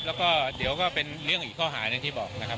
แล้วก็เดี๋ยวก็เป็นเรื่องอีกข้อหาหนึ่งที่บอกนะครับ